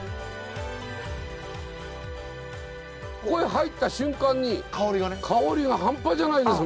ここへ入った瞬間に香りが半端じゃないですもん。